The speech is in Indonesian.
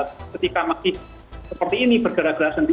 ketika masih seperti ini bergerak gerak sendiri